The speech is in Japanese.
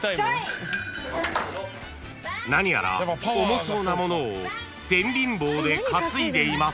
［何やら重そうなものをてんびん棒で担いでいます］